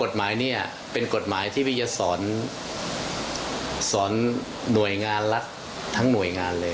จะกระทบตัวหน่วยงานไหน